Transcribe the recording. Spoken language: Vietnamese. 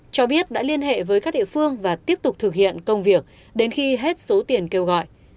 cho biết đã liên hệ với các địa phương và tiếp tục thực hiện công việc đến khi hết số tiền kêu gọi